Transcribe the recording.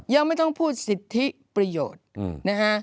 ยังไม่ต้องพูดสิทธิประโยชน์นะฮะ